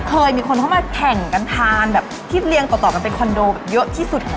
เคยมีคนเข้ามาแข่งกันทานแบบที่เรียงต่อกันเป็นคอนโดแบบเยอะที่สุด